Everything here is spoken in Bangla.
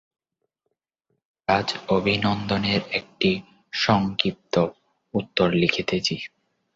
আমি মান্দ্রাজ অভিনন্দনের একটি সংক্ষিপ্ত উত্তর লিখিতেছি।